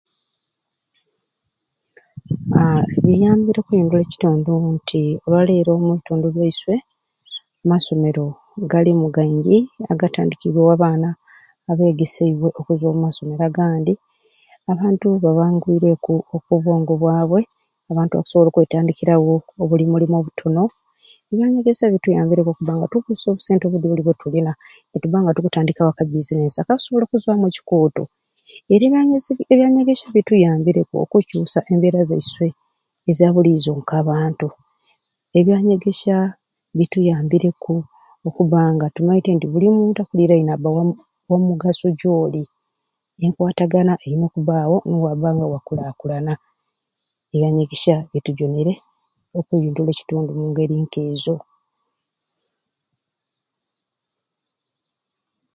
Aa biyambire okwindula ekitundu nti olwaleero omubitundu byaiswe amasomero galimu gaingi agatandikiibwewo abaana abegeseibwe okuzwa omumasomero agandi abantu babangwibweku oku bwongo bwabwe abantu bakusobola okwetandikirawo obulimulimu obutono ebyanyegesya bituyambireku okubba nga tukusa obusente budi obudyoli bwetuluna nitubba nga tukutandikawo aka bazinesi akakusobola okuzwamu ekikooto ebyanyesya ebyanyegesya bituyambireku okukyusa embeera zaiswe ezabuliizo k'abantu ebyanyegesya bituyambireku okubba nga tumaite nti buli muntu akuliraine abba wamu wamugaso gyolina enkwatagana erina okubbaawo wakulaakula ebyanyegesya bitujunire okwindula ekitundu omungeri k'ezo.